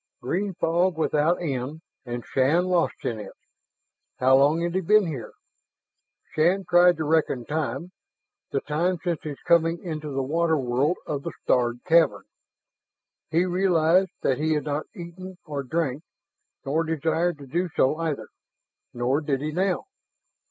Green fog without end, and Shann lost in it. How long had he been here? Shann tried to reckon time, the time since his coming into the water world of the starred cavern. He realized that he had not eaten, nor drank, nor desired to do so either nor did he now.